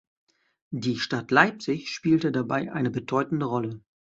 Die Stadt Leipzig spielte dabei eine bedeutende Rolle.